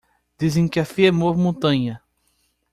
Dizem que a fé move montanha